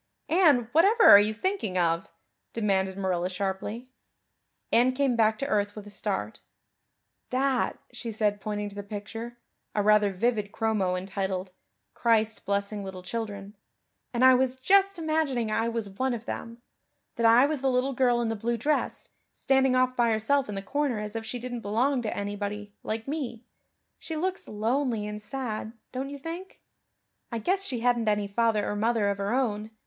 "Anne, whatever are you thinking of?" demanded Marilla sharply. Anne came back to earth with a start. "That," she said, pointing to the picture a rather vivid chromo entitled, "Christ Blessing Little Children" "and I was just imagining I was one of them that I was the little girl in the blue dress, standing off by herself in the corner as if she didn't belong to anybody, like me. She looks lonely and sad, don't you think? I guess she hadn't any father or mother of her own.